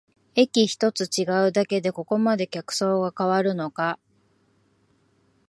駅ひとつ違うだけでここまで客層が変わるのか